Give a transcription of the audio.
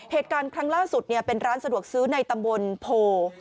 เหตุการณ์ครั้งล่าสุดเป็นร้านสะดวกซื้อในตำบลโพ